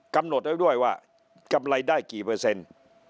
กำหนดไว้ด้วยว่ากำไรได้กี่เปอร์เซ็นต์